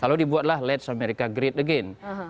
lalu dibuatlah let's america great again